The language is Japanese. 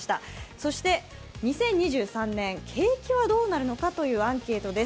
そして２０２３年、景気はどうなるのかというアンケートです。